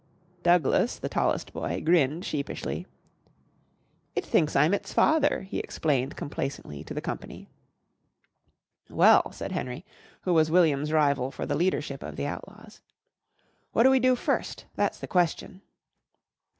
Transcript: Douglas, the tallest boy, grinned sheepishly. "It thinks I'm its father," he explained complacently to the company. "Well," said Henry, who was William's rival for the leadership of the Outlaws, "What do we do first? That's the question."